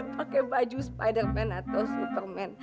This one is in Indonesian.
pakai baju spiderman atau superman